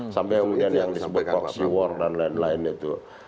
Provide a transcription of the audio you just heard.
sampai kemudian yang disebut voxy war dan lain lain itu